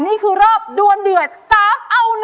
นี่คือรอบดวนเดือด๓เอา๑